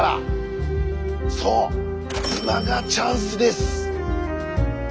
そう今がチャンスです。